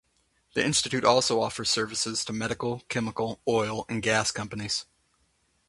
The institute also offers services to medical, chemical, oil, and gas companies.